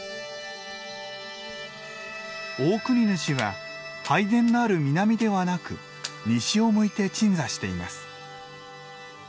オオクニヌシは拝殿のある南ではなく西を向いて鎮座しています。